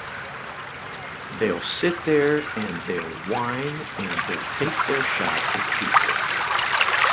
They'll sit there and they'll whine and they'll take their shot at Jesus.